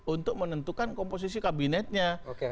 untuk menentukan komposisi kabinetnya